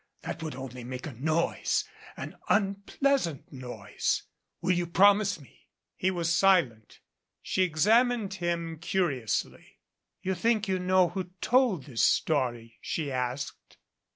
That would only 316 make a noise an unpleasant noise. Will you promise me?" He was silent. She examined him curiously. "You think you know who told this story?" she asked.